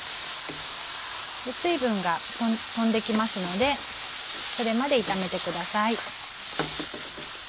水分が飛んで行きますのでそれまで炒めてください。